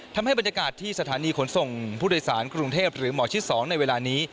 ทำให้บรรยากาศที่สถานีขนส่งผู้โดยสารกรุงเทพหรือหมอชิด๒ในเวลานี้